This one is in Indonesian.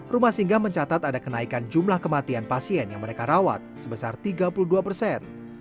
rumah singga mencatat ada kenaikan jumlah kematian pasien yang mereka rawat sebesar tiga puluh dua persen